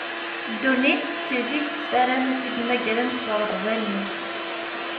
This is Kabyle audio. Ddunit, seg zik tessaram, ad tt-id-mmagrent treḍbanin.